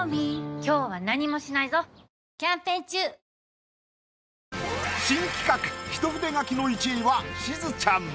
見事新企画一筆書きの１位はしずちゃん。